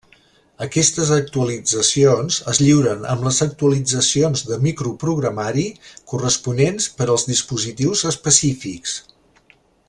Aquestes actualitzacions es lliuren amb les actualitzacions de microprogramari corresponents per als dispositius específics.